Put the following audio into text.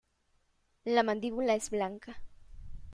La mandíbula es blanca.